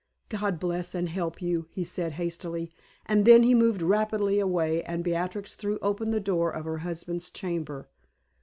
"God bless and help you!" he said, hastily; and then he moved rapidly away, and Beatrix threw open the door of her husband's chamber.